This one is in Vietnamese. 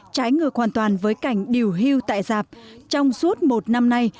trái ngược hoàn toàn với cảnh điều hưu tại giạp trong suốt một năm nay